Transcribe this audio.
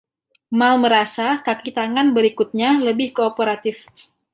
Mal merasa kaki tangan berikutnya lebih kooperatif.